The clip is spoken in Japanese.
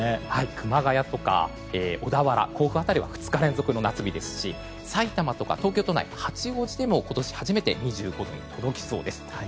熊谷とか小田原、甲府辺りは２日連続の夏日ですしさいたまとか東京都内、八王子でも今年初めて２５度に届きそうです。